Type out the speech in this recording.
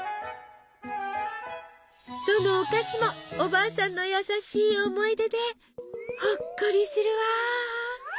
どのお菓子もおばあさんの優しい思い出でほっこりするわ！